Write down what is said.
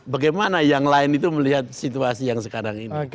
bagaimana yang lain itu melihat situasi yang sekarang ini